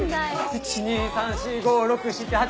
１・２・３・４・５・６・７・８。